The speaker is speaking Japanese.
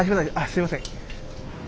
すみません。